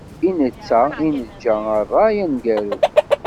I netta i neǧǧa rray aneggaru.